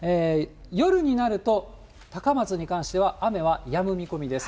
夜になると、高松に関しては雨はやむ見込みです。